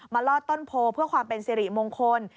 ลอดต้นโพเพื่อความเป็นสิริมงคล